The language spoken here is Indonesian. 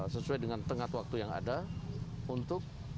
sesuai dengan tengah waktu yang ada untuk